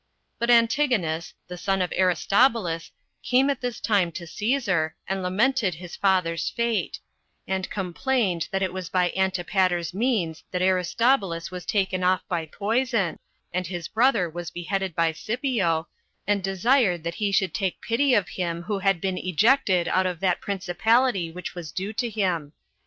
4. But Antigonus, the son of Aristobulus, came at this time to Cæsar, and lamented his father's fate; and complained, that it was by Antipater's means that Aristobulus was taken off by poison, and his brother was beheaded by Scipio, and desired that he would take pity of him who had been ejected out of that principality which was due to him.